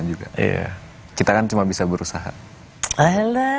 juga iya kita kan cuma bisa berusaha ala doanya makanya dari mbak rosy dan teman teman semua